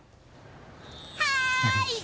はい！